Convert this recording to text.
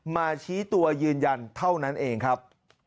มาชี้ตัวยืนยันเท่านั้นเองครับ